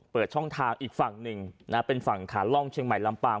เปิดช่องทางอีกฝั่งหนึ่งนะเป็นฝั่งขาล่องเชียงใหม่ลำปาง